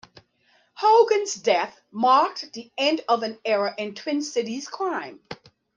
Hogan's death marked the end of an era in Twin Cities crime.